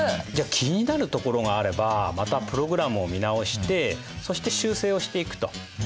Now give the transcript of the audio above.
じゃあ気になるところがあればまたプログラムを見直してそして修正をしていくと。